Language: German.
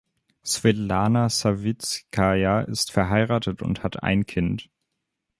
Swetlana Sawizkaja ist verheiratet und hat ein Kind.